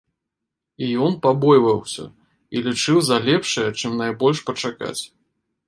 І ён пабойваўся і лічыў за лепшае чым найбольш пачакаць.